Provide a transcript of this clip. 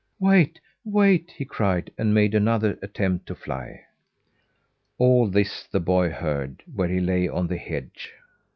"Wait, wait!" he cried, and made another attempt to fly. All this the boy heard, where he lay on the hedge.